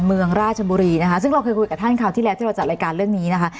เมืองราชบุรีนะคะซึ่งเราเคยคุยกับท่านคราวที่แล้วที่เราจัดรายการเรื่องนี้นะคะ